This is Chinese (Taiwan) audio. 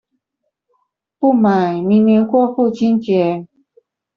不買，明年過父親節